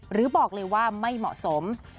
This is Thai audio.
หรือบอกเลยว่าไม่เหมาะสม